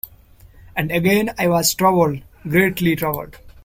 And again I was troubled — greatly troubled.